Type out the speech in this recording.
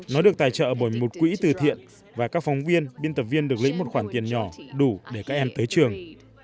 nó được tài trợ bởi một quỹ từ thiện và các phóng viên biên tập viên được lấy một khoản tiền nhỏ đủ để các em tới trường